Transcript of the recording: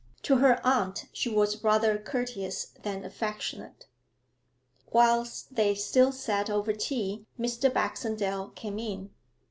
To her aunt she was rather courteous than affectionate. Whilst they still sat over tea, Mr. Baxendale came in.